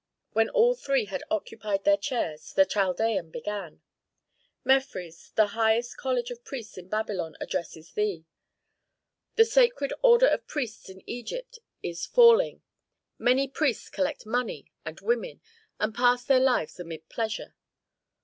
When all three had occupied their chairs, the Chaldean began, "Mefres, the highest college of priests in Babylon addresses thee: 'The sacred order of priests in Egypt is falling. Many priests collect money and women, and pass their lives amid pleasure.